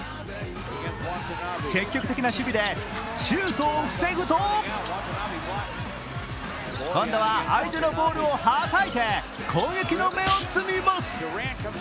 積極的な守備でシュートを防ぐと今度は相手のボールをはたいて攻撃の芽を摘みます。